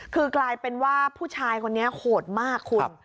คือกลายเป็นว่าผู้ชายคนนี้โหดมากคุณ